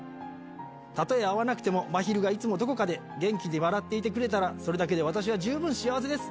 たとえ会わなくても、まひるがいつもどこかで元気で笑っていてくれたら、それだけで私は十分幸せです。